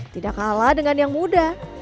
ternyata mereka juga sangat mudah lah